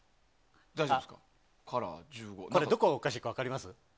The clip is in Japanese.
どこがおかしいか分かりますか？